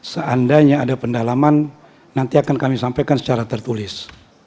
seandainya ada pendalaman nanti akan kami sampaikan secara tertulis